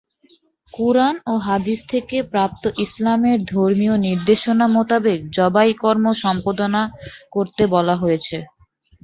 কুরআন ও হাদিস থেকে প্রাপ্ত ইসলামের ধর্মীয় নির্দেশনা মোতাবেক জবাই কর্ম সম্পাদনা করতে বলা হয়েছে।